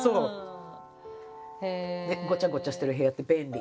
ごちゃごちゃしてる部屋って便利。